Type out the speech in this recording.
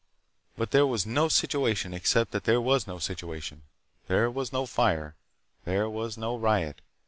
But there was no situation except that there was no situation. There was no fire. There was no riot.